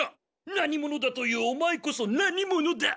何者だと言うオマエこそ何者だ！